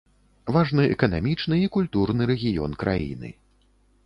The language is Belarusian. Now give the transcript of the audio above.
Важны эканамічны і культурны рэгіён краіны.